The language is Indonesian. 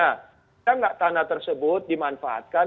kita nggak tanah tersebut dimanfaatkan